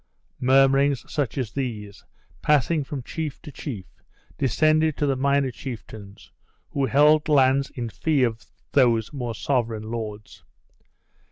Murmurings such as these, passing from chief to chief, descended to the minor chieftains, who held lands in fee of those more sovereign lords.